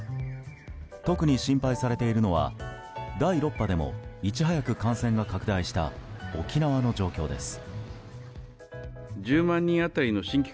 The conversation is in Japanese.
特に心配されているのは第６波でもいち早く感染が拡大した沖縄の状況です。